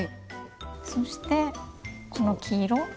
そしてこの黄色。